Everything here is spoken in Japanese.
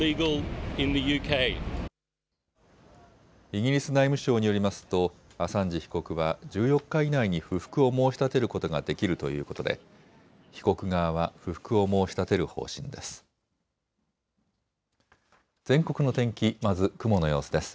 イギリス内務省によりますとアサンジ被告は１４日以内に不服を申し立てることができるということで被告側は不服を申し立てる方針です。